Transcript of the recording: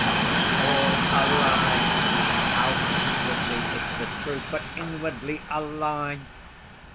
"It's all a lie! Outwardly it's the truth, but inwardly a lie!"